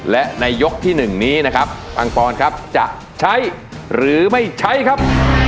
และในยกที่๑นี้นะครับปังปอนครับจะใช้หรือไม่ใช้ครับ